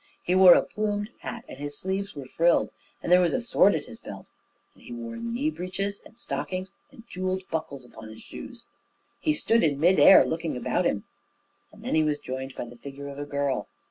He wore a plumed hat, and his sleeves were frilled, and there was a sword at his belt, and he wore knee breeches and stockings and jewelled buckles upon his shoes. He stood in mid air, looking about him, and then he was joined by the figure of a girl.